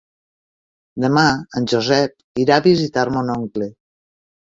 Demà en Josep irà a visitar mon oncle.